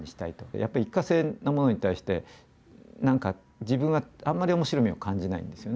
やっぱり一過性のものに対して何か自分はあんまり面白みを感じないんですよね。